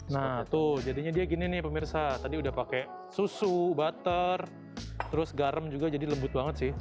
nah tuh jadinya dia gini nih pemirsa tadi udah pakai susu butter terus garam juga jadi lembut banget sih